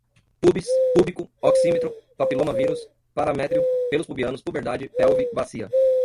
púbis, púbico, oxímetro, papilomavírus, paramétrio, pelos pubianos, puberdade, pelve, bacia